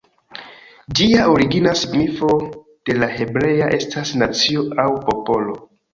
Ĝia origina signifo de la hebrea estas "nacio" aŭ "popolo".